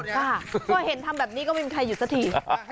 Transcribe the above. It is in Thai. ค่ะก็เห็นทำแบบนี้ก็ไม่มีใครหยุดสักที